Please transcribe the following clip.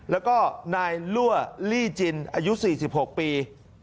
แล้วก็นายลั่วลี่จินอายุสี่สิบหกปี